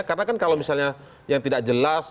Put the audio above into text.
karena kan kalau misalnya yang tidak jelas